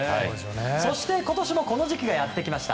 そして今年もこの時期がやってきました。